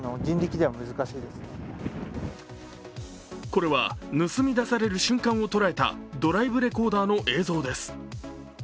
これは盗み出される瞬間を捉えたドライブレコーダーの映像です。